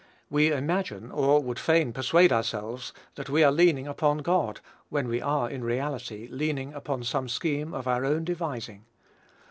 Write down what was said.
We imagine, or would fain persuade ourselves, that we are leaning upon God, when we are in reality leaning upon some scheme of our own devising.